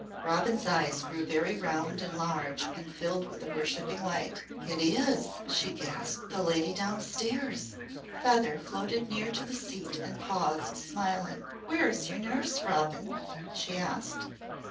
Robin's eyes grew very round and large and filled with a worshipping light. "It is," she gasped, "the Lady Downstairs!" Feather floated near to the seat and paused, smiling. "Where is your nurse, Robin?" she asked.